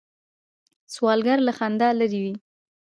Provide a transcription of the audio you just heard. سوالګر له خندا لرې وي